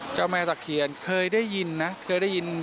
เจ้าแม่ตะเคียนเคยได้ยินนะเคยได้ยิน